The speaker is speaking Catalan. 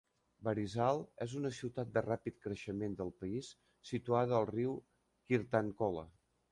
Barisal és una ciutat de ràpid creixement al país, situada al riu Kirtankhola.